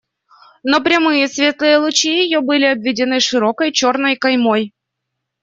Но прямые светлые лучи ее были обведены широкой черной каймой.